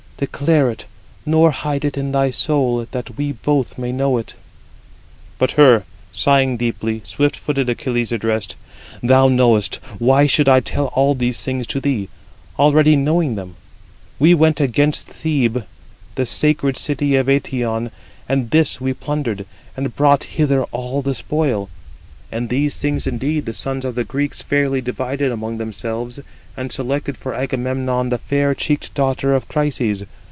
Declare it, nor hide it in thy soul, that we both may know it." But her, sighing deeply, swift footed Achilles addressed: "Thou knowest; why should I tell all these things to thee, already knowing [them]? We went against Thebe, 46 the sacred city of Eëtion; and this we plundered, and brought hither all [the spoil]. And these things indeed the sons of the Greeks fairly divided among themselves, and selected for Agamemnon the fair cheeked daughter of Chryses.